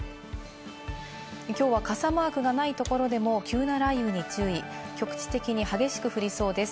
きょうは傘マークがないところでも急な雷雨に注意、局地的に激しく降りそうです。